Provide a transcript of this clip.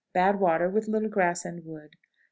Bad water, with little grass and wood. 24.